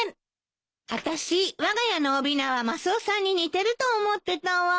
あたしわが家の男びなはマスオさんに似てると思ってたわ。